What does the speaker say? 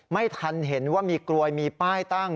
ไม่ทันเห็นว่ามีกลวยมีป้ายตั้ง